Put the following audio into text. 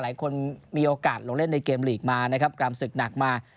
หลายคนมีโอกาสลงเล่นในเกมลีกมานะครับกรรมศึกหนักมา